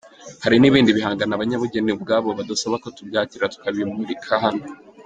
Hari n’ibindi bihangano abanyabugeni ubwabo badusaba ko tubyakira tukabimurika hano.